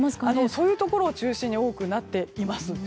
そういうところを中心に多くなっています。